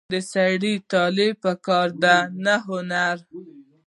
د سړي طالع په کار ده نه هنر.